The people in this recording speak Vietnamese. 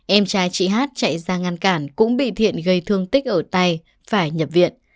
em trai chị hát chạy ra ngăn cản cũng bị thiện gây thương tích ở tay phải nhập viện